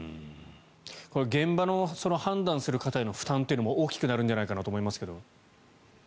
現場の判断する方への負担というのも大きくなるのではないかなと思うんですけど。